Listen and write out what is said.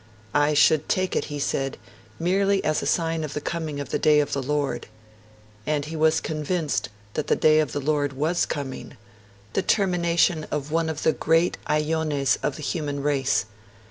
'I should take it,' he said, 'merely as a sign of the coming of the day of the Lord.' And he was convinced that the day of the Lord was coming 'the termination of one of the great [Greek: aiones] of the human race'.